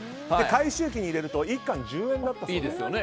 回収機に入れると１缶１０円だったそうです。